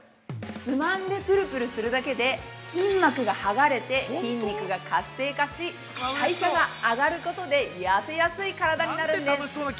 つまんでぷるぷるするだけで筋膜が剥がれて筋肉が活性化し代謝が上がることで痩せやすい体になるんです。